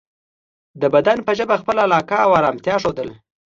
د بدن په ژبه خپله علاقه او ارامتیا ښودل